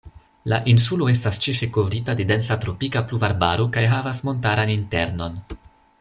La insulo estas ĉefe kovrita de densa tropika pluvarbaro kaj havas montaran internon.